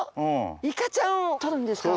イカちゃんをとるんですか？